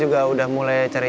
iya yaudah kamu sekarang ini